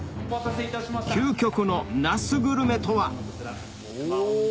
究極の那須グルメとは？